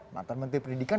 mata menteri pendidikan